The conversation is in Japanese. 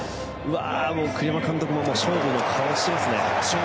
栗山監督も勝負の顔をしていますね。